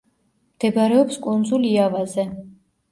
მდებარეობს კუნძულ იავაზე.